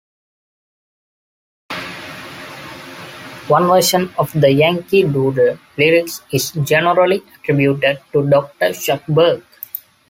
One version of the Yankee Doodle lyrics is generally attributed to Doctor Shuckburgh.